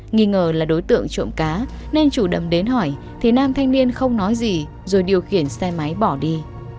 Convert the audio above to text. nghĩ ngờ là đối tượng trộm cá nên chủ đầm đến hỏi thì nam thanh niên không nói gì rồi điều khiển xe máy bỏ đi